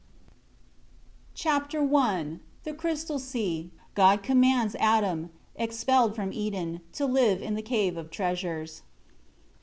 Chapter I The crystal sea, God commands Adam, expelled from Eden, to live in the Cave of Treasures.